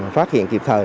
phát hiện kịp thời